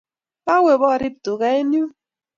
Kawe paarip tuga eng' yun